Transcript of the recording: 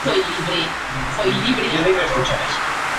Los originales nunca se encontraron.